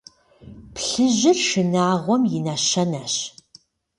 Плъыжьыр – шынагъуэм и нэщэнэщ.